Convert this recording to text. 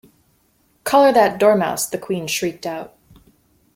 ‘Collar that Dormouse,’ the Queen shrieked out.